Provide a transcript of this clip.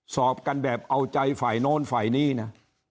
สอบกันแบบเอาใจฝ่ายโน้นฝ่ายนี้นะ